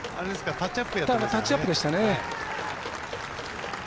タッチアップでしたね。